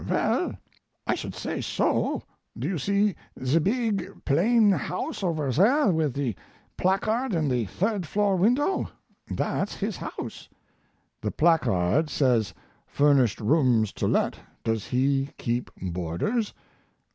Well, I should say so! Do you see the big, plain house over there with the placard in the third floor window? That's his house." "The placard that says 'Furnished rooms to let'? Does he keep boarders?"